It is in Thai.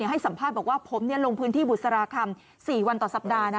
ให้สัมภาษณ์บอกว่าผมลงพื้นที่บุษราคำ๔วันต่อสัปดาห์